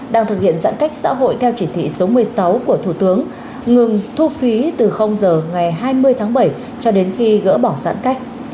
đang thực hiện giãn cách xã hội theo chỉ thị số một mươi sáu của thủ tướng ngừng thu phí từ giờ ngày hai mươi tháng bảy cho đến khi gỡ bỏ giãn cách